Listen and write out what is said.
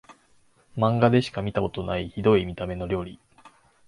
マンガでしか見たことないヒドい見た目の料理